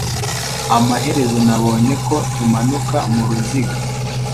Amaherezo nabonye ko tumanuka muruziga